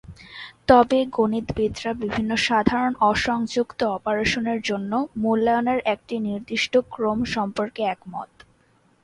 তবে, গণিতবিদরা বিভিন্ন সাধারণ অ-সংযুক্ত অপারেশনের জন্য মূল্যায়নের একটি নির্দিষ্ট ক্রম সম্পর্কে একমত।